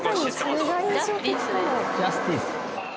ジャスティス。